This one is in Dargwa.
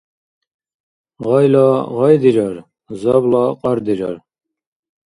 Гъайла — гъай дирар, забла — кьар дирар.